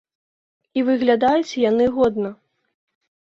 І выглядаюць яны годна.